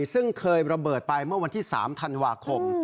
ซึ่งเคยระเบิดไปเมื่อวันที่๓ธันวาคม